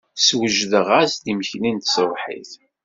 Swejdeɣ-as-d imekli n tṣebḥit.